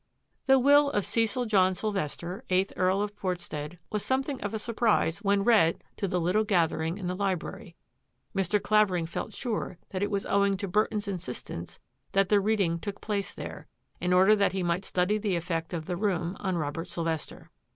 The will of Cecil John Sylvester, eighth Earl of Portstead, was something of a surprise when read to the little gathering in the library — Mr. Clavering felt sure that it was owing to Burton's insistence that the reading took place there, in order that he might study the effect of the room on Robert Sylvester.